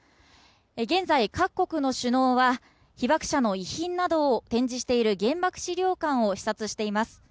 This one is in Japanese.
現在各国の首脳は、被爆者の遺品などを展示している原爆資料館を視察しています。